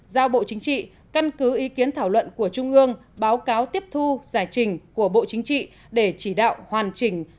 giao bộ chính trị căn cứ ý kiến thảo luận của trung ương báo cáo tiếp thu giải trình của bộ chính trị để chỉ đạo hoàn chỉnh